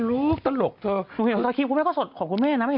หนุ่มเห็นสกิปคุณแม่ก็สดขอบคุณแม่นะ